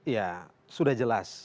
ya sudah jelas